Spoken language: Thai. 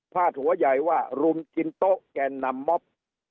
ภาทหัวใหญ่ว่ารุมจิ้นโต้แกนำมอบ